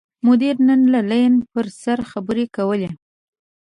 مدیر نن د لین پر سر خبرې کولې.